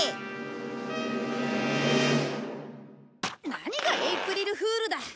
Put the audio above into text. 何がエイプリルフールだ！